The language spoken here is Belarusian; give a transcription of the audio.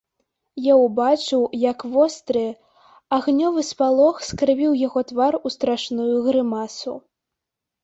Я ўбачыў, як востры, агнёвы спалох скрывіў яго твар у страшную грымасу.